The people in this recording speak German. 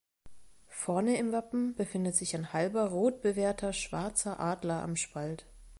Vorne im Wappen befindet sich ein halber, rot bewehrter schwarzer Adler am Spalt.